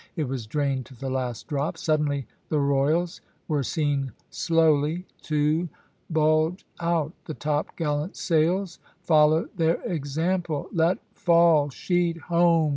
It was drained to the last drop. Suddenly the royals were seen slowly to bulge out; the topgallant sails followed their example. "Let fall! sheet home!"